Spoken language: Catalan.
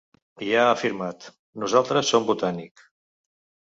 I ha afirmat: ‘Nosaltres som Botànic.’